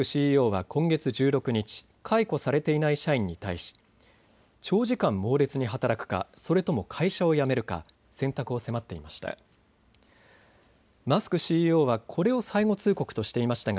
ＣＥＯは今月１６日、解雇されていない社員に対し長時間猛烈に働くかそれとも会社を辞めるか選択を迫っていました。